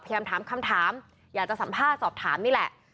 พยายามถามคำถามอยากจะสัมภาษณ์สอบถามนี่แหละ